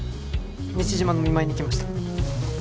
西島の見舞いに来ました。